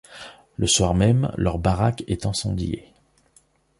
Le soir même, leur baraque est incendiée.